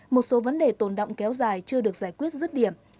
một số vấn đề tồn động kéo dài chưa được giải quyết rứt điểm